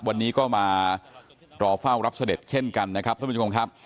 วันนี้ก็มารอเฝ้ารับเสด็จเช่นกันนะครับท่านผู้ชมครับ